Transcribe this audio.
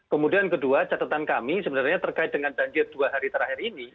kemudian kedua catatan kami sebenarnya terkait dengan banjir dua hari terakhir ini